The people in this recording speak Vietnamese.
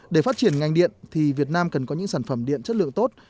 để phát triển ngành điện thì việt nam cần có những sản phẩm điện chất lượng tốt